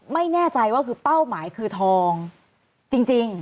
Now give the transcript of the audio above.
ไม่แน่ใจว่าคือเป้าหมายคือทองจริง